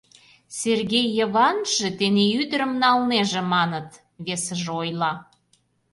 Сергей Йыванже тений ӱдырым налнеже, маныт, — весыже ойла.